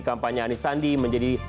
kampanye anies sandi menjadi